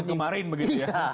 yang kemarin begitu ya